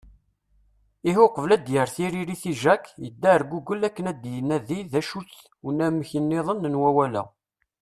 Ihi uqbel ad yerr tiririt i Jack, yedda ar Google akken ad inadi d acu-t unamek-nniḍen n wawal-a.